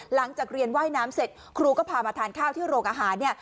หลังจากเรียนว่ายน้ำเสร็จครูก็พามาทานข้าวที่โรงอาหารเนี่ย